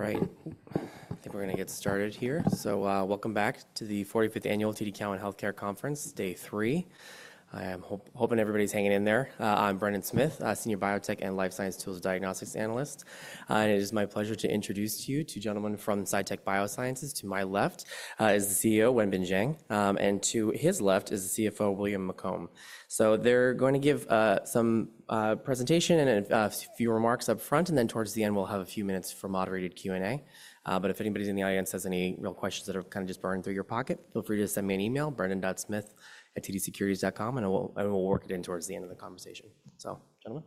All right. I think we're going to get started here. Welcome back to the 45th Annual TD Cowen Healthcare Conference, day three. I am hoping everybody's hanging in there. I'm Brendan Smith, a Senior Biotech and Life Science Tools Diagnostics Analyst. It is my pleasure to introduce you to gentlemen from Cytek Biosciences. To my left is the CEO, Wenbin Jiang, and to his left is the CFO, William McCombe. They're going to give some presentation and a few remarks up front, and then towards the end, we'll have a few minutes for moderated Q&A. If anybody in the audience has any real questions that have kind of just burred through your pocket, feel free to send me an email: brendan.smith@tdsecurities.com, and we'll work it in towards the end of the conversation. Gentlemen.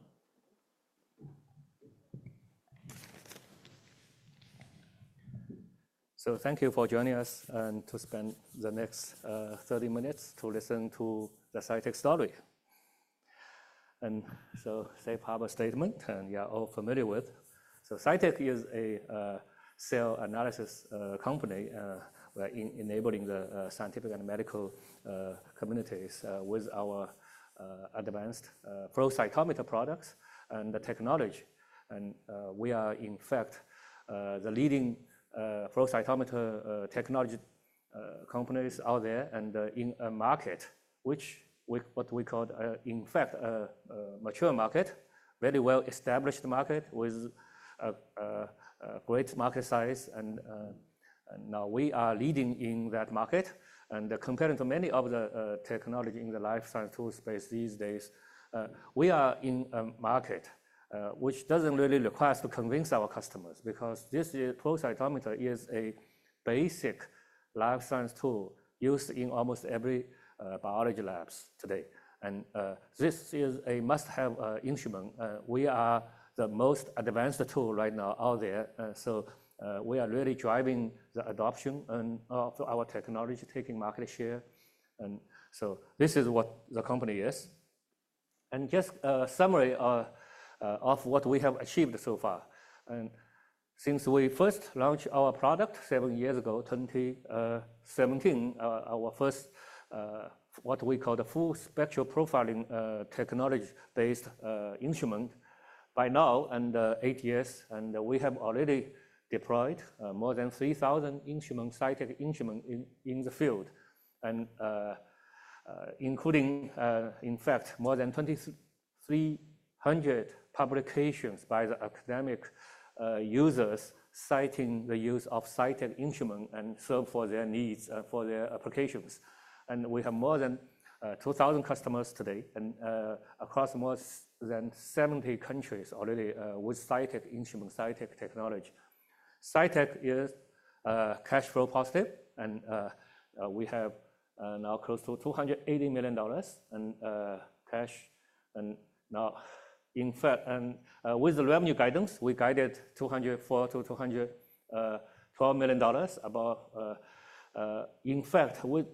Thank you for joining us and to spend the next 30 minutes to listen to the Cytek story. Safe harbor statement, and you're all familiar with. Cytek is a cell analysis company enabling the scientific and medical communities with our advanced flow cytometry products and the technology. We are, in fact, the leading flow cytometry technology companies out there and in a market which what we call, in fact, a mature market, a very well-established market with great market size. Now we are leading in that market. Compared to many of the technology in the life science tool space these days, we are in a market which doesn't really require us to convince our customers because this flow cytometry is a basic life science tool used in almost every biology lab today. This is a must-have instrument. We are the most advanced tool right now out there. We are really driving the adoption of our technology, taking market share. This is what the company is. Just a summary of what we have achieved so far. Since we first launched our product seven years ago, 2017, our first what we call the full spectral profiling technology-based instrument, by now and eight years, we have already deployed more than 3,000 Cytek instruments in the field, including in fact more than 300 publications by the academic users citing the use of Cytek instruments for their needs and for their applications. We have more than 2,000 customers today and across more than 70 countries already with Cytek instruments, Cytek technology. Cytek is cash flow positive, and we have now close to $280 million in cash. In fact, with the revenue guidance, we guided $240-$212 million. In fact, the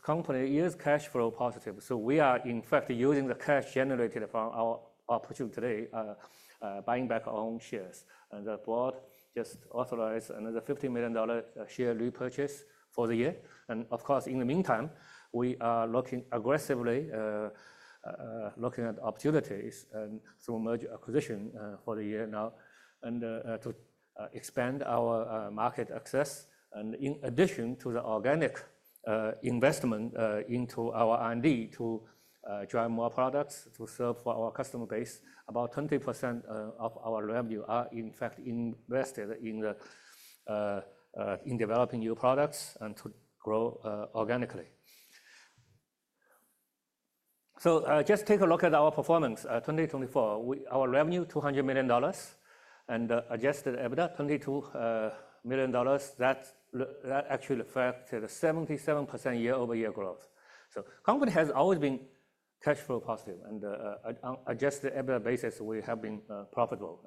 company is cash flow positive. We are in fact using the cash generated from our opportunity today, buying back our own shares. The board just authorized another $50 million share repurchase for the year. Of course, in the meantime, we are aggressively looking at opportunities through merger acquisition for the year now and to expand our market access. In addition to the organic investment into our R&D to drive more products to serve for our customer base, about 20% of our revenue are in fact invested in developing new products and to grow organically. Just take a look at our performance. In 2024, our revenue, $200 million, and adjusted EBITDA, $22 million. That actually reflected a 77% year-over-year growth. The company has always been cash flow positive. On an adjusted EBITDA basis, we have been profitable.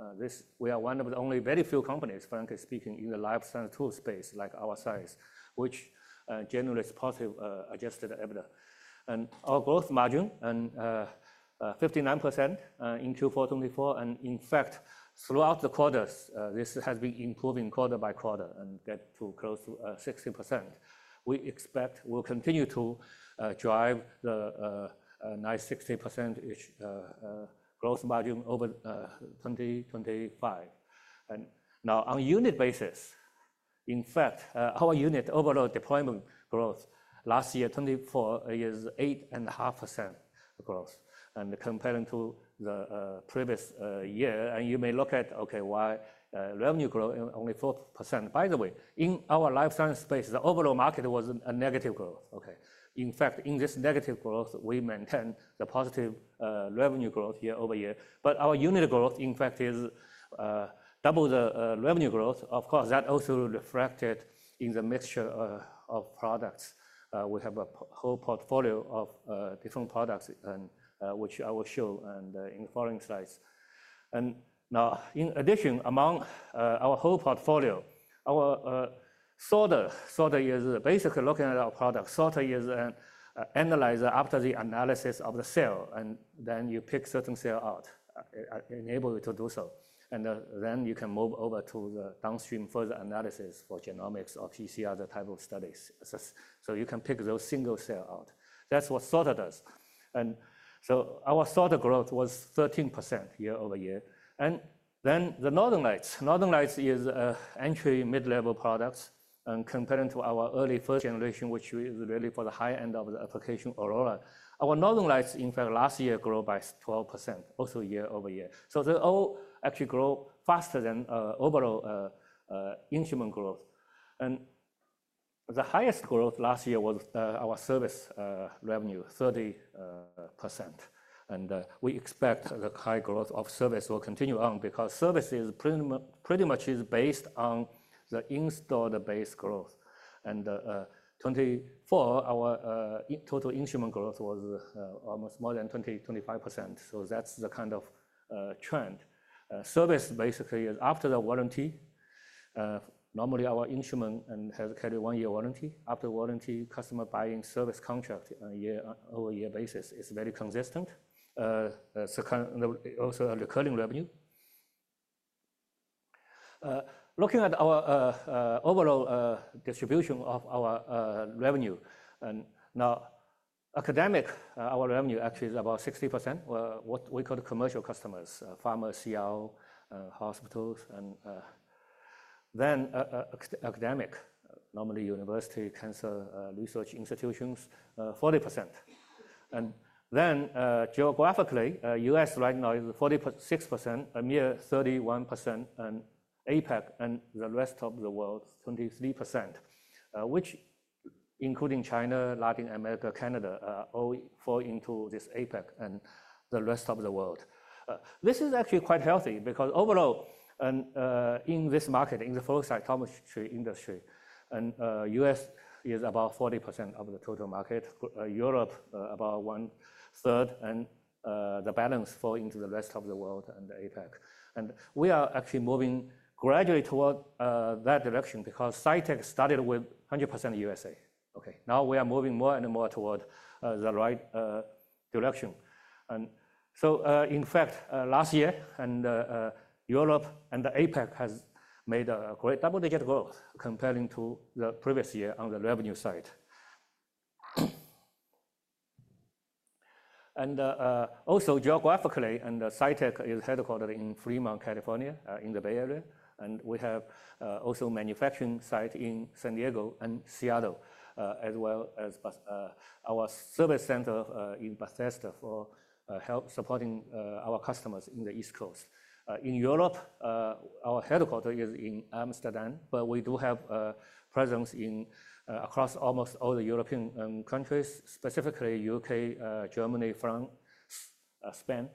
We are one of the only very few companies, frankly speaking, in the life science tool space like our size, which generates positive adjusted EBITDA. Our gross margin is 59% in Q4 2024. In fact, throughout the quarters, this has been improving quarter by quarter and getting close to 60%. We expect we'll continue to drive the nice 60% gross margin over 2025. Now, on a unit basis, in fact, our unit overall deployment growth last year, 2024, is 8.5% growth compared to the previous year. You may look at, okay, why revenue growth only 4%. By the way, in our life science space, the overall market was a negative growth. In fact, in this negative growth, we maintained the positive revenue growth year-over-year. Our unit growth, in fact, is double the revenue growth. Of course, that is also reflected in the mixture of products. We have a whole portfolio of different products, which I will show in the following slides. In addition, among our whole portfolio, our sorter is basically looking at our product. Sorter is an analyzer after the analysis of the cell, and then you pick certain cells out, enable you to do so. You can move over to the downstream further analysis for genomics or PCR, the type of studies. You can pick those single cells out. That is what sorter does. Our sorter growth was 13% year-over-year. The Northern Lights. Northern Lights is an entry mid-level product. Compared to our early first generation, which is really for the high end of the application Aurora, our Northern Lights, in fact, last year grew by 12%, also year-over-year. They all actually grow faster than overall instrument growth. The highest growth last year was our service revenue, 30%. We expect the high growth of service will continue on because service pretty much is based on the installed base growth. In 2024, our total instrument growth was almost more than 20%-25%. That is the kind of trend. Service basically is after the warranty. Normally, our instrument has a one-year warranty. After warranty, customer buying service contract on a year-over-year basis is very consistent. Also recurring revenue. Looking at our overall distribution of our revenue, now academic, our revenue actually is about 60%. What we call commercial customers, pharma, hospitals. Academic, normally university, cancer research institutions, 40%. Geographically, US right now is 46%, EMEA 31%, and APAC and the rest of the world, 23%, which includes China, Latin America, and Canada, all falling into this APAC and the rest of the world. This is actually quite healthy because overall in this market, in the flow cytometry industry, US is about 40% of the total market, Europe about one-third, and the balance falls into the rest of the world and the APAC. We are actually moving gradually toward that direction because Cytek started with 100% US. Now we are moving more and more toward the right direction. In fact, last year, Europe and the APAC made great double-digit growth compared to the previous year on the revenue side. Also geographically, Cytek is headquartered in Fremont, California, in the Bay Area. We have also a manufacturing site in San Diego and Seattle, as well as our service center in Bethesda for help supporting our customers in the East Coast. In Europe, our headquarters is in Amsterdam, but we do have a presence across almost all the European countries, specifically U.K., Germany, France, Spain.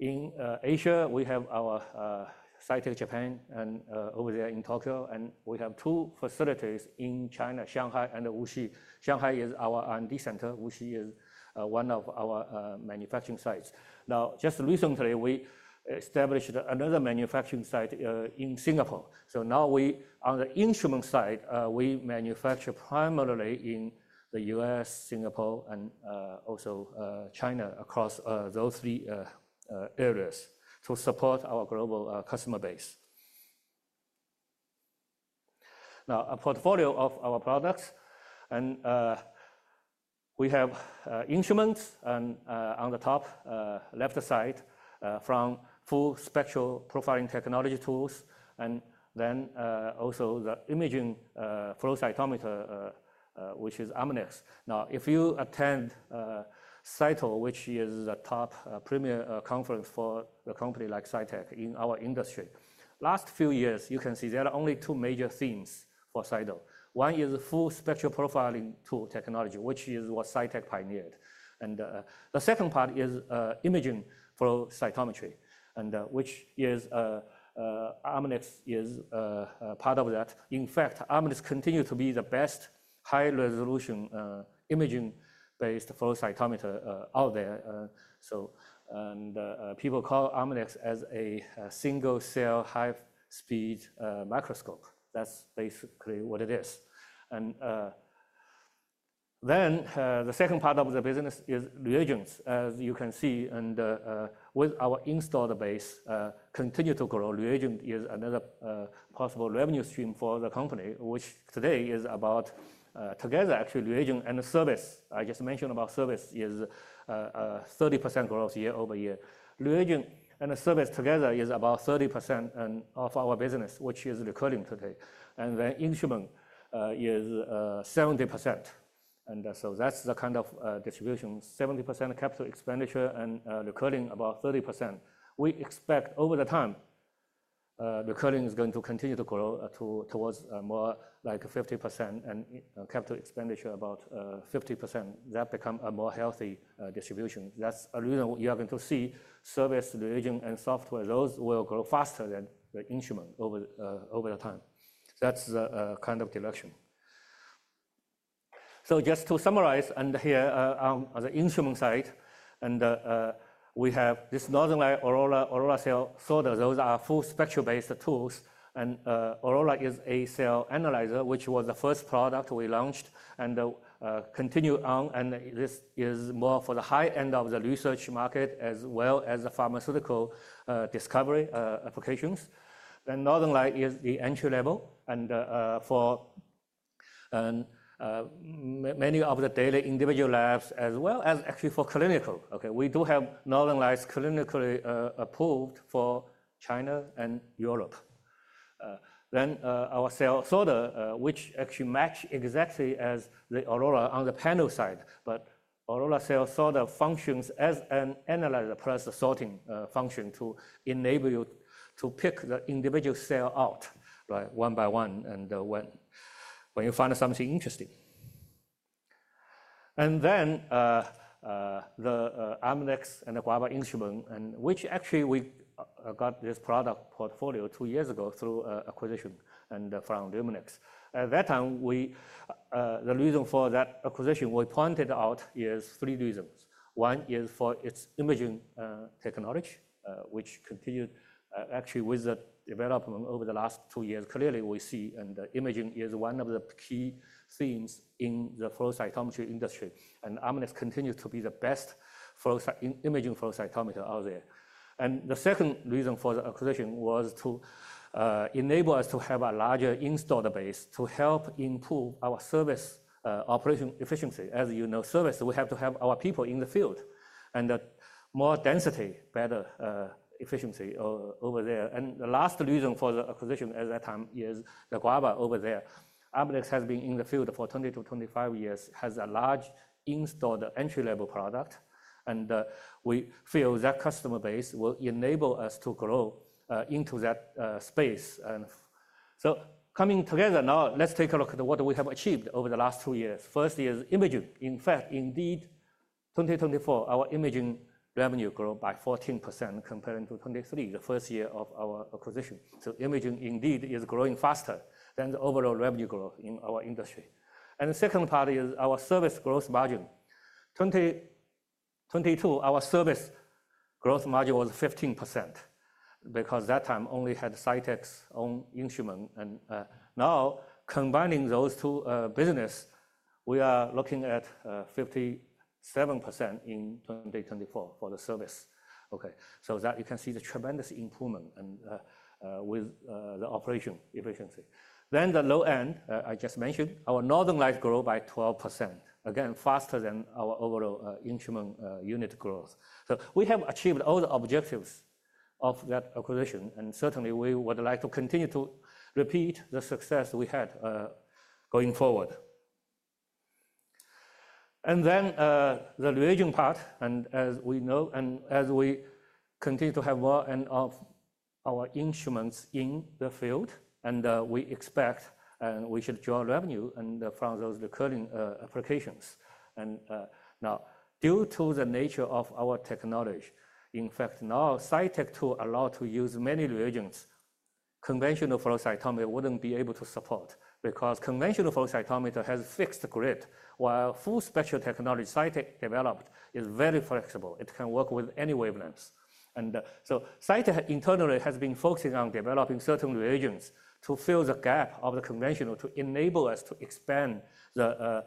In Asia, we have our Cytek Japan and over there in Tokyo. We have two facilities in China, Shanghai and Wuxi. Shanghai is our R&D center. Wuxi is one of our manufacturing sites. Just recently, we established another manufacturing site in Singapore. Now, on the instrument side, we manufacture primarily in the U.S., Singapore, and also China across those three areas to support our global customer base. Now, a portfolio of our products. We have instruments on the top left side from full spectral profiling technology tools, and then also the imaging flow cytometry, which is Amnis. If you attend CYTO, which is the top premier conference for a company like Cytek in our industry, last few years, you can see there are only two major themes for CYTO. One is full spectral profiling tool technology, which is what Cytek pioneered. The second part is imaging flow cytometry, which Amnis is part of. In fact, Amnis continues to be the best high-resolution imaging-based flow cytometry out there. People call Amnis a single-cell high-speed microscope. That is basically what it is. The second part of the business is reagents, as you can see. With our installed base continuing to grow, reagent is another possible revenue stream for the company, which today is about together, actually, reagent and service. I just mentioned about service is 30% growth year-over-year. Reagent and service together is about 30% of our business, which is recurring today. Instrument is 70%. That's the kind of distribution: 70% capital expenditure and recurring about 30%. We expect over the time, recurring is going to continue to grow towards more like 50% and capital expenditure about 50%. That becomes a more healthy distribution. That's a reason you are going to see service, reagent, and software, those will grow faster than the instrument over the time. That's the kind of direction. Just to summarize and here on the instrument side, we have this Northern Lights, Aurora, Aurora cell sorter. Those are full spectral-based tools. Aurora is a cell analyzer, which was the first product we launched and continued on. This is more for the high end of the research market as well as the pharmaceutical discovery applications. Northern Lights is the entry-level and for many of the daily individual labs, as well as actually for clinical. We do have Northern Lights clinically approved for China and Europe. Our cell sorter actually matches exactly as the Aurora on the panel side, but Aurora cell sorter functions as an analyzer plus the sorting function to enable you to pick the individual cell out one by one when you find something interesting. The Amnis and the Guava instrument, which actually we got this product portfolio two years ago through acquisition and from Luminex. At that time, the reason for that acquisition we pointed out is three reasons. One is for its imaging technology, which continued actually with the development over the last two years. Clearly, we see and the imaging is one of the key themes in the flow cytometry industry. Amnis continues to be the best imaging flow cytometry out there. The second reason for the acquisition was to enable us to have a larger installed base to help improve our service operation efficiency. As you know, service, we have to have our people in the field. The more density, better efficiency over there. The last reason for the acquisition at that time is the Guava over there. Amnis has been in the field for 20 to 25 years, has a large installed entry-level product. We feel that customer base will enable us to grow into that space. Coming together now, let's take a look at what we have achieved over the last two years. First is imaging. In fact, indeed, 2024, our imaging revenue grew by 14% compared to 2023, the first year of our acquisition. Imaging indeed is growing faster than the overall revenue growth in our industry. The second part is our service gross margin. In 2022, our service gross margin was 15% because at that time we only had Cytek's own instrument. Now, combining those two businesses, we are looking at 57% in 2024 for the service. You can see the tremendous improvement with the operation efficiency. The low end, I just mentioned, our Northern Lights grew by 12%, again, faster than our overall instrument unit growth. We have achieved all the objectives of that acquisition. Certainly, we would like to continue to repeat the success we had going forward. The reagent part, as we know, as we continue to have more and more of our instruments in the field, we expect and we should draw revenue from those recurring applications. Now, due to the nature of our technology, in fact, now Cytek allows the use of many reagents conventional flow cytometry would not be able to support because conventional flow cytometry has fixed grid, while full spectral technology Cytek developed is very flexible. It can work with any wavelengths. Cytek internally has been focusing on developing certain reagents to fill the gap of the conventional to enable us to expand the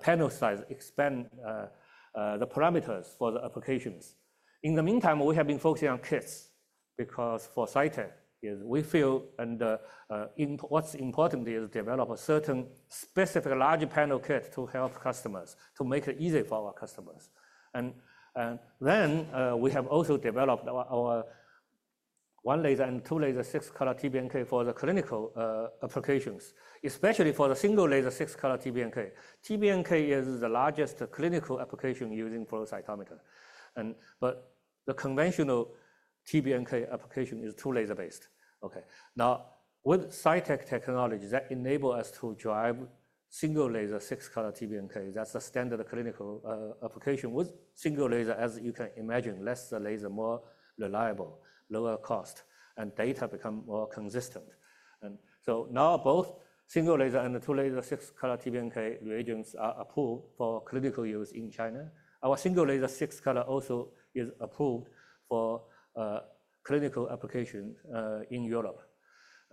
panel size, expand the parameters for the applications. In the meantime, we have been focusing on kits because for Cytek, we feel and what's important is to develop a certain specific large panel kit to help customers, to make it easy for our customers. We have also developed our 1-laser and 2-laser 6-color TBNK for the clinical applications, especially for the 1-laser 6-color TBNK. TBNK is the largest clinical application using flow cytometry. The conventional TBNK application is 2-laser-based. Okay. Now, with Cytek technology, that enables us to drive 1-laser 6-color TBNK. That's the standard clinical application with single laser, as you can imagine, less laser, more reliable, lower cost, and data becomes more consistent. Now both 1-laser and the 2-laser 6-color TBNK reagents are approved for clinical use in China. Our 1-laser 6-color also is approved for clinical application in Europe.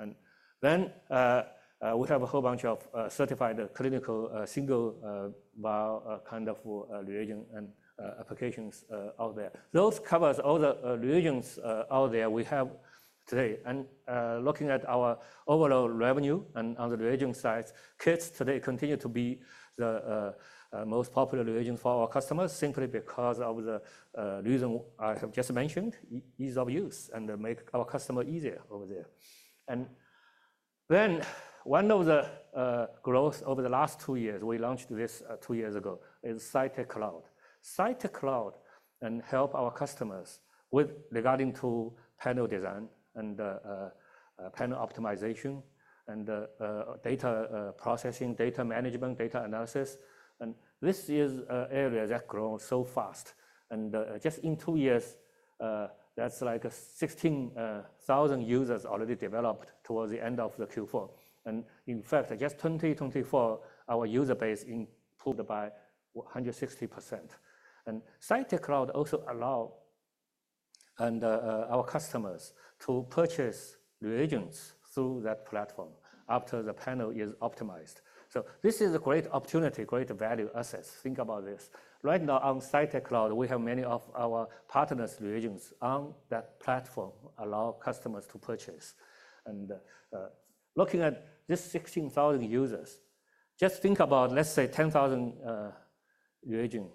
We have a whole bunch of certified clinical single kind of reagent and applications out there. Those cover all the reagents out there we have today. Looking at our overall revenue and on the reagent side, kits today continue to be the most popular reagent for our customers simply because of the reason I have just mentioned, ease of use and make our customer easier over there. One of the growths over the last two years, we launched this two years ago, is Cytek Cloud. Cytek Cloud helps our customers regarding panel design and panel optimization and data processing, data management, data analysis. This is an area that grows so fast. Just in two years, that's like 16,000 users already developed towards the end of Q4. In fact, just 2024, our user base improved by 160%. Cytek Cloud also allows our customers to purchase reagents through that platform after the panel is optimized. This is a great opportunity, great value assets. Think about this. Right now, on Cytek Cloud, we have many of our partners' reagents on that platform, allow customers to purchase. Looking at just 16,000 users, just think about, let's say, 10,000 reagents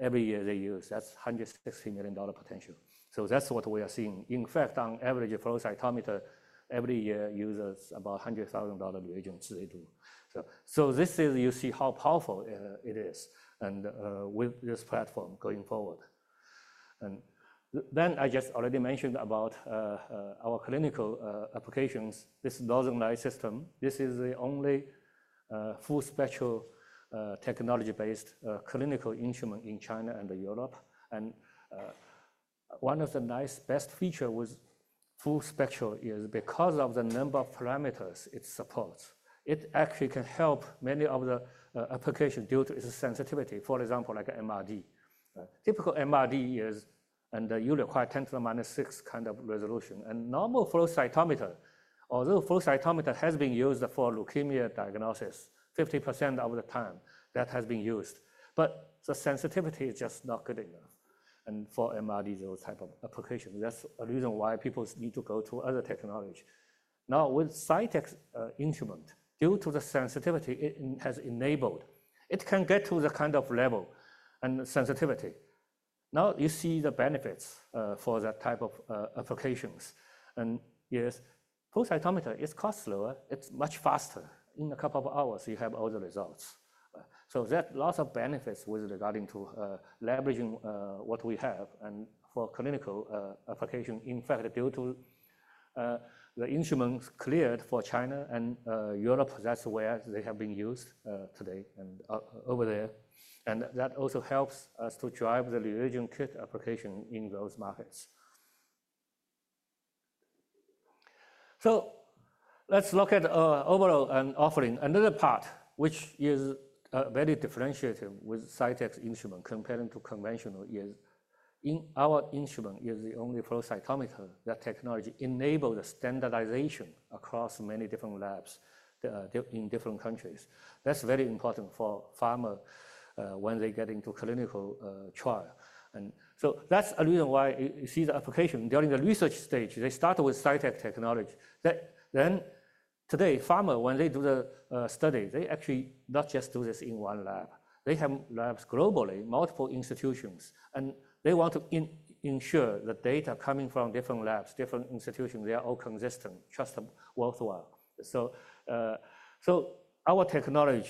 every year they use. That's $160 million potential. That's what we are seeing. In fact, on average, flow cytometry, every year, users about $100,000 reagents they do. You see how powerful it is with this platform going forward. I just already mentioned about our clinical applications. This Northern Lights system, this is the only full spectral technology-based clinical instrument in China and Europe. One of the nice best features with full spectral is because of the number of parameters it supports. It actually can help many of the applications due to its sensitivity, for example, like MRD. Typical MRD is, and you require 10 to the minus 6 kind of resolution. Normal flow cytometry, although flow cytometry has been used for leukemia diagnosis 50% of the time, that has been used. The sensitivity is just not good enough. For MRD, those type of applications, that's a reason why people need to go to other technology. Now, with Cytek instrument, due to the sensitivity it has enabled, it can get to the kind of level and sensitivity. You see the benefits for that type of applications. Yes, flow cytometry is cost lower. It's much faster. In a couple of hours, you have all the results. There are lots of benefits with regarding to leveraging what we have and for clinical application. In fact, due to the instruments cleared for China and Europe, that's where they have been used today and over there. That also helps us to drive the reagent kit application in those markets. Let's look at overall and offering. Another part, which is very differentiative with Cytek's instrument compared to conventional, is in our instrument is the only flow cytometry that technology enabled standardization across many different labs in different countries. That's very important for pharma when they get into clinical trial. That's a reason why you see the application during the research stage. They start with Cytek technology. Today, pharma, when they do the study, they actually not just do this in one lab. They have labs globally, multiple institutions. They want to ensure the data coming from different labs, different institutions, they are all consistent, trustworthy. Our technology,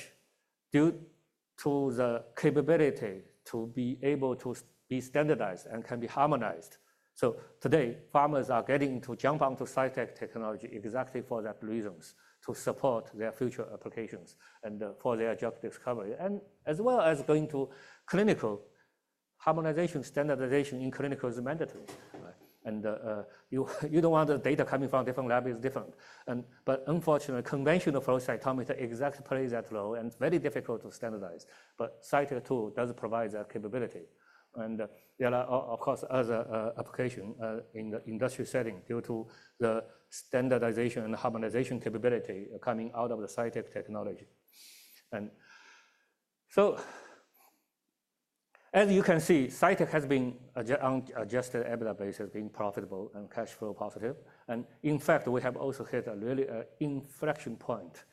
due to the capability to be able to be standardized and can be harmonized. Today, pharma are getting to jump onto Cytek technology exactly for that reasons, to support their future applications and for their drug discovery, and as well as going to clinical harmonization, standardization in clinical is mandatory. You do not want the data coming from different lab is different. Unfortunately, conventional flow cytometry exactly plays that role and it is very difficult to standardize. Cytek tool does provide that capability. There are, of course, other applications in the industry setting due to the standardization and harmonization capability coming out of the Cytek technology. As you can see, Cytek has been adjusted EBITDA base has been profitable and cash flow positive. In fact, we have also hit a really inflection point.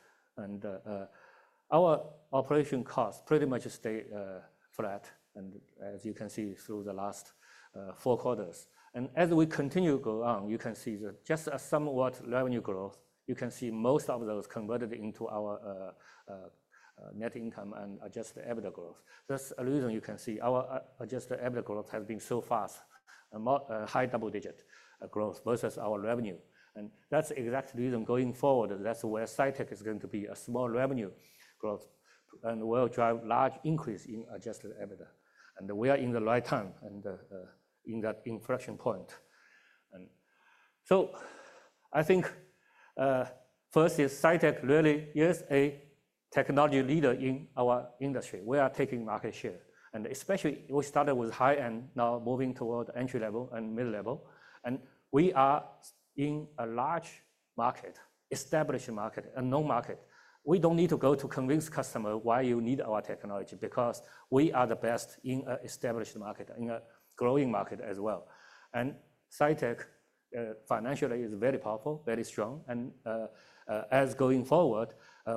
Our operation costs pretty much stay flat. As you can see through the last four quarters, as we continue to go on, you can see just a somewhat revenue growth. You can see most of those converted into our net income and adjusted EBITDA growth. That's a reason you can see our adjusted EBITDA growth has been so fast, high double-digit growth versus our revenue. That's the exact reason going forward. That's where Cytek is going to be a small revenue growth and will drive large increase in adjusted EBITDA. We are in the right time and in that inflection point. I think first is Cytek really is a technology leader in our industry. We are taking market share. Especially we started with high end, now moving toward entry-level and mid-level. We are in a large market, established market, a known market. We do not need to go to convince customer why you need our technology because we are the best in an established market, in a growing market as well. Cytek financially is very powerful, very strong. As going forward,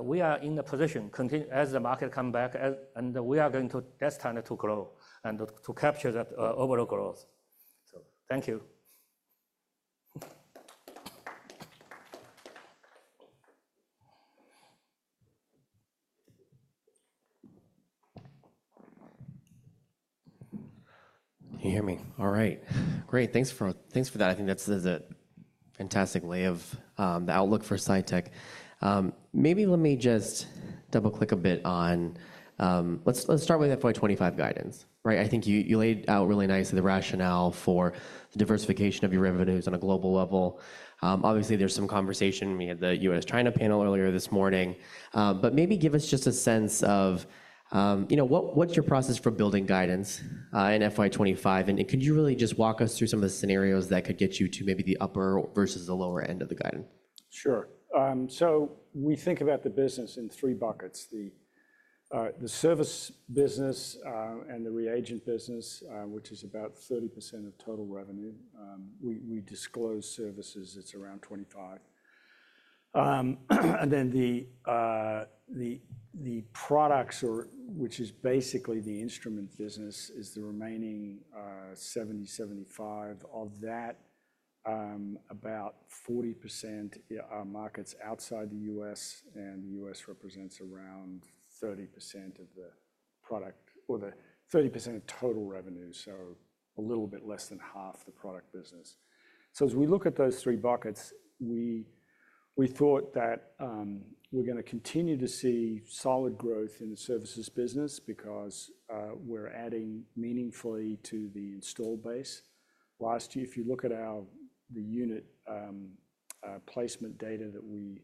we are in a position as the market comes back, and we are going to test time to grow and to capture that overall growth. Thank you. Can you hear me? All right. Great. Thanks for that. I think that is a fantastic lay of the outlook for Cytek. Maybe let me just double-click a bit on let's start with FY 2025 guidance. Right? I think you laid out really nicely the rationale for the diversification of your revenues on a global level. Obviously, there is some conversation. We had the U.S., China panel earlier this morning. Maybe give us just a sense of what is your process for building guidance in FY 2025? Could you really just walk us through some of the scenarios that could get you to maybe the upper versus the lower end of the guidance? Sure. We think about the business in three buckets: the service business and the reagent business, which is about 30% of total revenue. We disclose services. It's around 25%. The products, which is basically the instrument business, is the remaining 70%-75%. Of that, about 40% markets outside the U.S. The U.S. represents around 30% of the product or the 30% of total revenue, so a little bit less than half the product business. As we look at those three buckets, we thought that we're going to continue to see solid growth in the services business because we're adding meaningfully to the install base. Last year, if you look at the unit placement data that we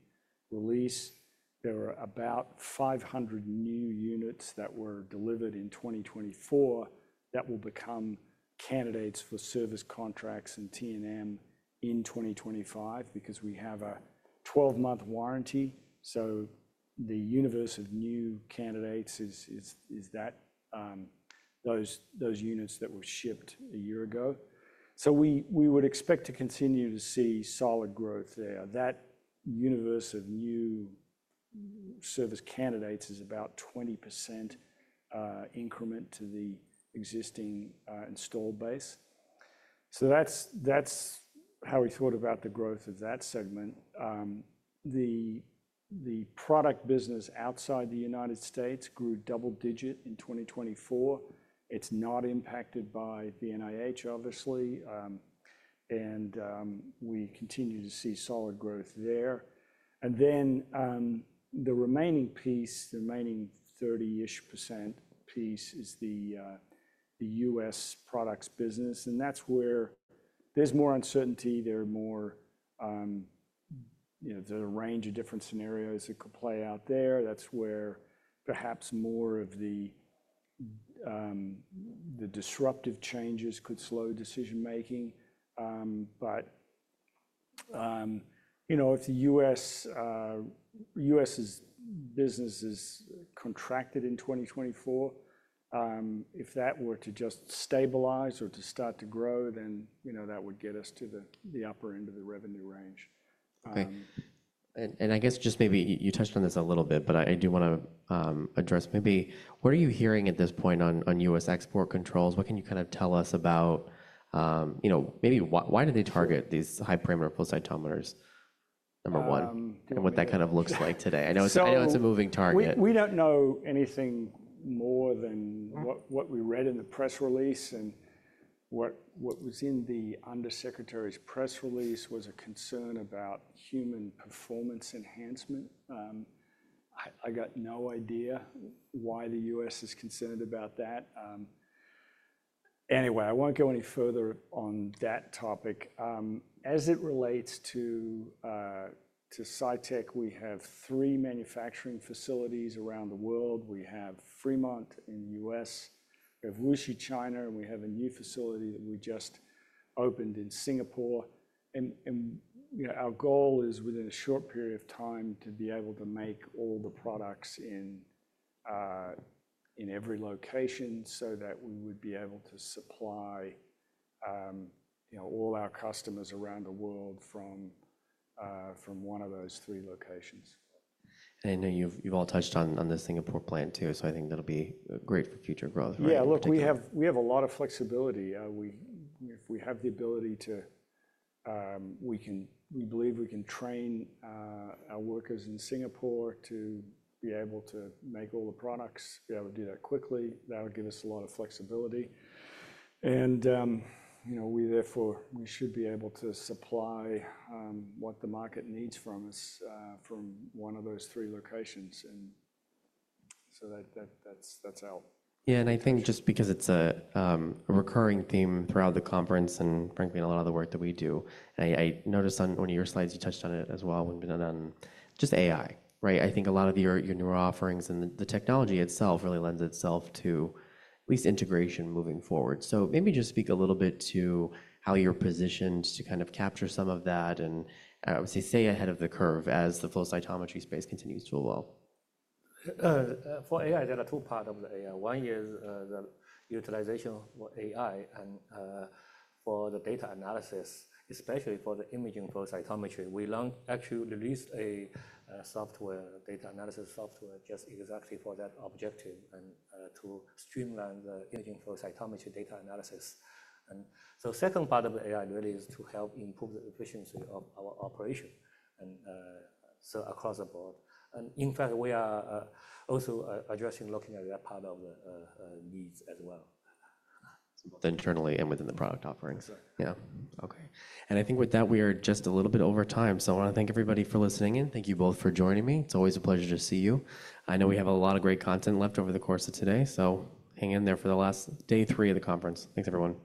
released, there were about 500 new units that were delivered in 2024 that will become candidates for service contracts and T&M in 2025 because we have a 12-month warranty. The universe of new candidates is those units that were shipped a year ago. We would expect to continue to see solid growth there. That universe of new service candidates is about a 20% increment to the existing install base. That is how we thought about the growth of that segment. The product business outside the United States grew double-digit in 2024. It is not impacted by the NIH, obviously. We continue to see solid growth there. The remaining piece, the remaining 30%-ish piece, is the U.S. products business. That is where there is more uncertainty. There is a range of different scenarios that could play out there. That is where perhaps more of the disruptive changes could slow decision-making. If the U.S. business is contracted in 2024, if that were to just stabilize or to start to grow, then that would get us to the upper end of the revenue range. Okay. I guess just maybe you touched on this a little bit, but I do want to address maybe what are you hearing at this point on U.S. export controls? What can you kind of tell us about maybe why do they target these high parameter flow cytometers, number one, and what that kind of looks like today? I know it's a moving target. We don't know anything more than what we read in the press release. What was in the undersecretary's press release was a concern about human performance enhancement. I got no idea why the U.S. is concerned about that. Anyway, I won't go any further on that topic. As it relates to Cytek, we have three manufacturing facilities around the world. We have Fremont in the U.S., we have Wuxi, China, and we have a new facility that we just opened in Singapore. Our goal is within a short period of time to be able to make all the products in every location so that we would be able to supply all our customers around the world from one of those three locations. I know you've all touched on the Singapore plant too, so I think that'll be great for future growth. Yeah, look, we have a lot of flexibility. If we have the ability to, we believe we can train our workers in Singapore to be able to make all the products, be able to do that quickly. That would give us a lot of flexibility. We therefore should be able to supply what the market needs from us from one of those three locations. That is our... Yeah. I think just because it's a recurring theme throughout the conference and frankly in a lot of the work that we do, and I noticed on one of your slides, you touched on it as well, would have been on just AI, right? I think a lot of your newer offerings and the technology itself really lends itself to at least integration moving forward. Maybe just speak a little bit to how you're positioned to kind of capture some of that and, I would say, stay ahead of the curve as the flow cytometry space continues to well. For AI, there are two parts of the AI. One is the utilization for AI and for the data analysis, especially for the imaging flow cytometry. We long actually released a software, data analysis software just exactly for that objective and to streamline the imaging flow cytometry data analysis. The second part of the AI really is to help improve the efficiency of our operation and so across the board. In fact, we are also addressing looking at that part of the needs as well. Both internally and within the product offerings. Yeah. Okay. I think with that, we are just a little bit over time. I want to thank everybody for listening in. Thank you both for joining me. It's always a pleasure to see you. I know we have a lot of great content left over the course of today. Hang in there for the last day three of the conference. Thanks, everyone.